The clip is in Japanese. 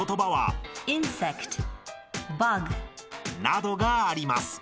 ［などがあります］